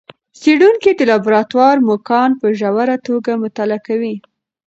څېړونکي د لابراتوار موږکان په ژوره توګه مطالعه کوي.